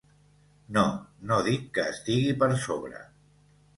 No, no dic que estigui per sobre.